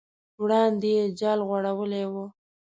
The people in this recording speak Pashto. وړاندې یې جال غوړولی و.